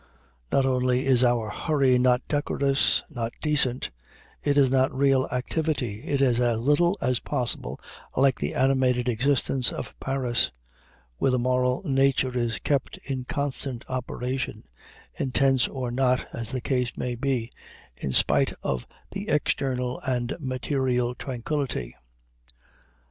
Not only is our hurry not decorous, not decent; it is not real activity, it is as little as possible like the animated existence of Paris, where the moral nature is kept in constant operation, intense or not as the case may be, in spite of the external and material tranquillity.